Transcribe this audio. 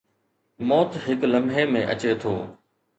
موت هڪ لمحي ۾ اچي ٿو.